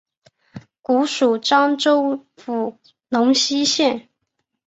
古属漳州府龙溪县。